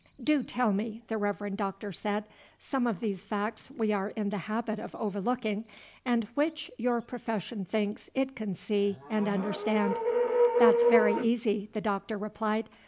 "Do tell me," the Reverend Doctor said, "some of these facts we are in the habit of overlooking, and which your profession thinks it can see and understand." "That's very easy," the Doctor replied.